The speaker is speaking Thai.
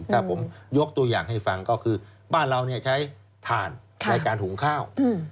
ถ้าผมยกตัวอย่างให้ฟังก็คือบ้านเราใช้ถ่านในการหุงข้าว